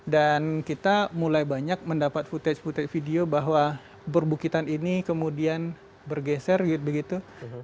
dan kita mulai banyak mendapat footage footage video bahwa berbukitan ini kemudian bergeser begitu